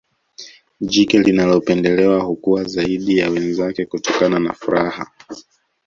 jike linalopendelewa hukua zaidi ya wenzake kutokana na furaha